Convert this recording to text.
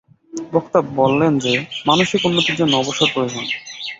বক্তা বলেন যে, মানসিক উন্নতির জন্য অবসর প্রয়োজন।